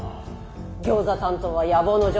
ギョーザ担当は野望の序章。